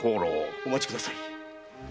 お待ちください。